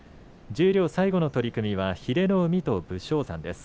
十両、最後の取組は英乃海と武将山です。